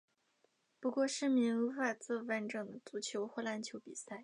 不过市民无法作完整的足球或篮球比赛。